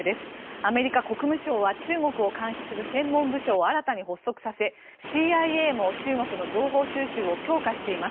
アメリカ国務省は中国を監視する専門部署を新たに発足させＣＩＡも中国の情報収集を強化しています。